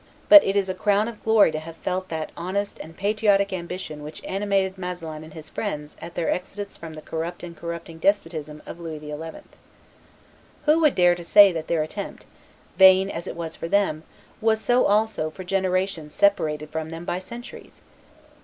But it is a crown of glory to have felt that honest and patriotic ambition which animated Masselin and his friends at their exodus from the corrupt and corrupting despotism of Louis XI. Who would dare to say that their attempt, vain as it was for them, was so also for generations separated from them by centuries?